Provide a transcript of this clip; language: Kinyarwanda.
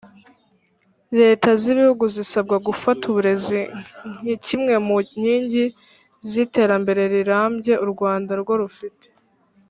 Leta z ibihugu zisabwa gufata uburezi nk imwe mu nkingi z iterambere rirambye u Rwanda rwo rufite